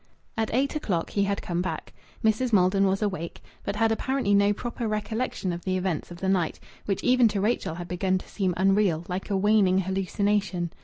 At eight o'clock he had come back. Mrs. Maldon was awake, but had apparently no proper recollection of the events of the night, which even to Rachel had begun to seem unreal, like a waning hallucination.